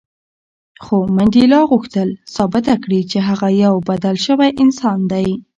خو منډېلا غوښتل ثابته کړي چې هغه یو بدل شوی انسان دی.